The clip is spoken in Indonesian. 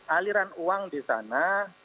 aliran uang di sana